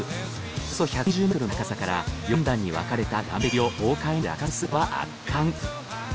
およそ１２０ｍの高さから４段に分かれた岩壁を豪快に落下する姿は圧巻。